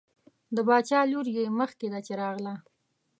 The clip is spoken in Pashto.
د باچا لور یې مخکې ده چې راغله.